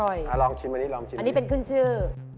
ลองชิมอันนี้ลองชิมอันนี้เป็นขึ้นชื่อ